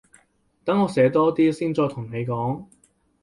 等我寫多啲先再同你講